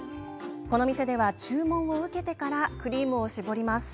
この店では、注文を受けてからクリームを絞ります。